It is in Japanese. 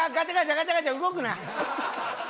ガチャガチャ動くな！